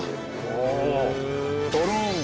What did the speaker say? お！